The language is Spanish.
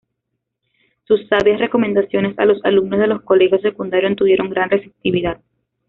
Sus sabias recomendaciones a los alumnos de los colegios secundarios tuvieron gran receptividad.